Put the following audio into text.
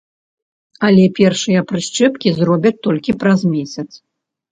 Але першыя прышчэпкі зробяць толькі праз месяц.